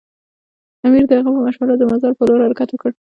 امیر د هغه په مشوره د مزار پر لور حرکت وکړ.